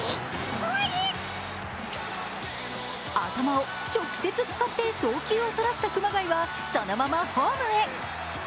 頭を直接使って送球をそらした熊谷はそのままホームへ。